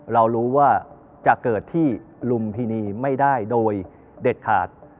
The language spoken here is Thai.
เรารู้ว่าจะเกิดที่ลุมพินีไม่ได้โดยเด็ดขาด